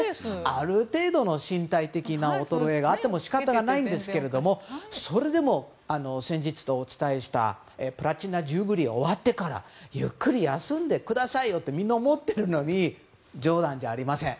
ある程度の身体的な衰えがあっても仕方がないんですがそれでも、先日お伝えしたプラチナ・ジュビリーが終わってからゆっくり休んでくださいよってみんな、思っているのに冗談じゃありません。